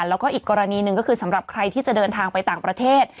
แล้วก็อีกกรณีหนึ่งก็คือสำหรับใครที่จะเดินทางไปต่างประเทศ